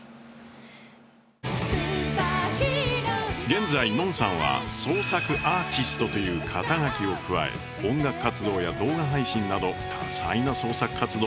現在のんさんは創作あーちすとという肩書を加え音楽活動や動画配信など多彩な創作活動を続けています。